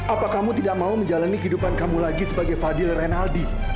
apa kamu tidak mau menjalani kehidupan kamu lagi sebagai fadil renaldi